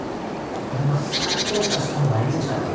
これは再検査したほうがええんちゃう？